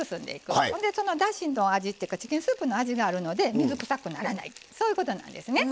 そのだしの味っていうかチキンスープの味があるので水くさくならないそういうことなんですね。